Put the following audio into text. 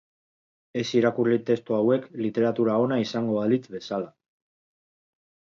Ez irakurri testu hauek literatura ona izango balitz bezala.